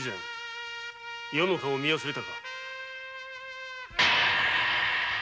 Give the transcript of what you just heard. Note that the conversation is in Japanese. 余の顔を見忘れたか。